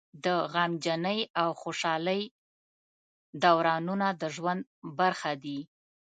د غمجنۍ او خوشحالۍ دورانونه د ژوند برخه دي.